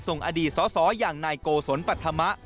อดีตสสอย่างนายโกศลปัธมะ